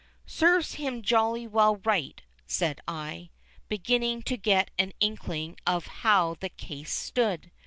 "Serves him jolly well right," said I, beginning to get an inkling of how the case stood.